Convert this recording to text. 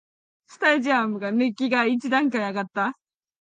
スタジアムの熱気が一段階あがった